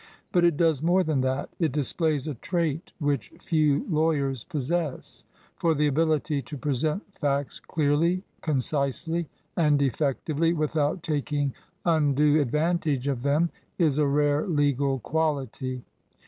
But it does more than that. It displays a trait which few lawyers possess; for the ability to present facts clearly, concisely, and effectively without taking undue advantage of them is a rare legal quality.